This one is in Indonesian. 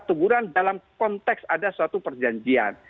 teguran dalam konteks ada suatu perjanjian